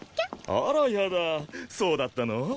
あらやだそうだったの？